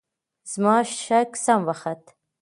زما شک سم وخوت .